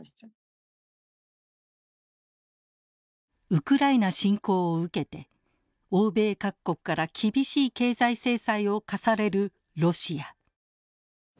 ウクライナ侵攻を受けて欧米各国から厳しい経済制裁を科されるロシア。